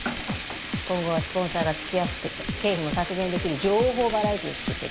今後はスポンサーがつきやすくて経費も削減できる情報バラエティーを作っていくって。